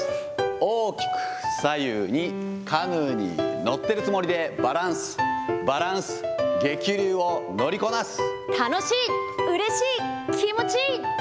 大きく、左右に、カヌーに乗ってるつもりでバランス、バランス、楽しい、うれしい、気持ちいい。